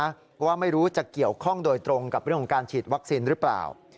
เพราะว่าไม่รู้จะเกี่ยวข้องโดยตรงกับเรื่องของการฉีดวัคซีนหรือเปล่า